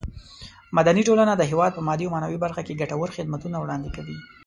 مدني ټولنه د هېواد په مادي او معنوي برخه کې ګټور خدمتونه وړاندې کوي.